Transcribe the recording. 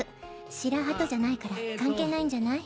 シラハトじゃないから関係ないんじゃない？